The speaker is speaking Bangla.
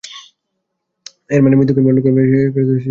এর মানে যে মৃত্যুকেই বরণ করে নেয়া সেটা বুঝতে পারছ তো?